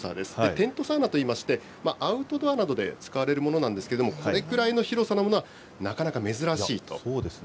テントサウナといいまして、アウトドアなどで使われるものなんですけれども、これくらいの広さのものは、なかなか珍しいということですね。